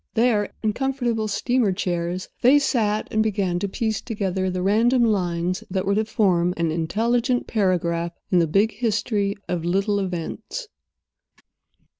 There, in comfortable steamer chairs, they sat and began to piece together the random lines that were to form an intelligent paragraph in the big history of little events.